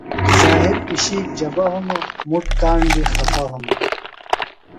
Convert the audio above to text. زہِیر پِشِیک جبہ ہِنوۡ، مُٹ کاݨ بیۡ خپہ ہِنوۡ